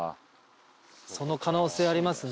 その可能性ありますね。